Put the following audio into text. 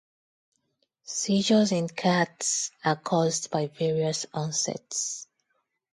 Seizures in cats are caused by various onsets.